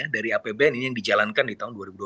dari apbn ini yang dijalankan di tahun